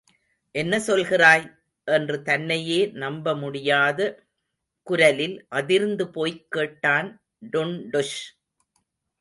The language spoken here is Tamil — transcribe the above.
என்ன சொல்கிறாய்? என்று தன்னையே நம்பமுடியாத குரலில் அதிர்ந்து போய்க் கேட்டான் டுன்டுஷ்.